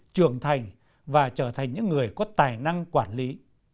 trưởng thành và trở thành những người có tài năng quản lý